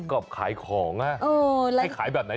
ก็ขายของอะให้ขายแบบไหน